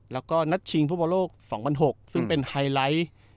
แล้วก็นัดชิงภูมิประโยชน์โลกสองพันหกซึ่งเป็นไฮไลท์อืม